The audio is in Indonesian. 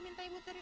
aduh kamu benar